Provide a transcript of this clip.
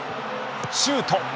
シュート。